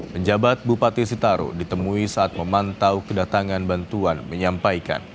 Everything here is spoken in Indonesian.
penjabat bupati sitaru ditemui saat memantau kedatangan bantuan menyampaikan